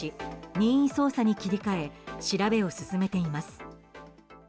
任意捜査に切り替え調べを進めています。